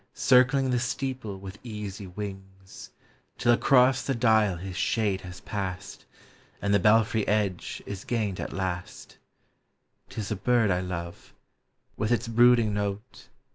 Circling the steeple with easy wings. Till across the dial his shade has passed. And the belfry edge is gained at last ; 'T is a bird I love, with its brooding note.